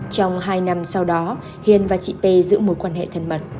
trong hai năm sau đó hiền và chị p giữ mối quan hệ thân mật